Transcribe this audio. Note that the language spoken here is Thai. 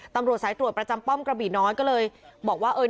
ตำรวจสายตรวจประจำป้อมกระบี่น้อยก็เลยบอกว่าเออ